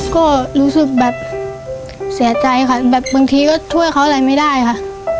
ก็รู้สึกแบบเสียใจค่ะแบบบางทีก็ช่วยเขาอะไรไม่ได้ค่ะ